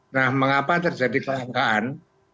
nah mengapa terjadi kelangkaan